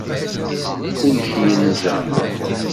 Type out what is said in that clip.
Kullec yenza!